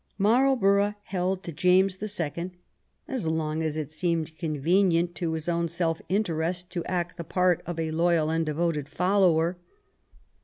Marlborough held to James the Second as long as it seemed convenient to his own self interest to act the part of a loyal and devoted follower.